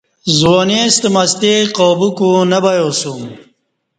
زُوانی ستہ مستی قابو کوں نہ بیاسوم